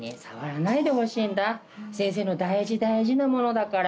先生の大事大事なものだから。